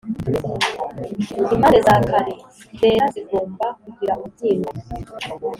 Impande za kare zera zigomba kugira umubyimba